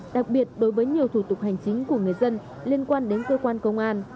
đặc biệt đối với nhiều thủ tục hành chính của người dân liên quan đến cơ quan công an